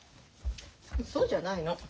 そうじゃないの。